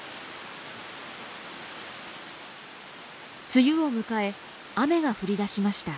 梅雨を迎え雨が降りだしました。